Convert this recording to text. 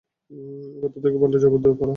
এবার তোদেরকে পাল্টা জবাব দেওয়ার পালা।